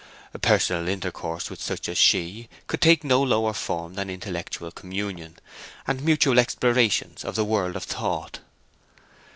Personal intercourse with such as she could take no lower form than intellectual communion, and mutual explorations of the world of thought.